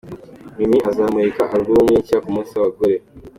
Mimi azamurika alubumu ye nshya ku munsi w’abagore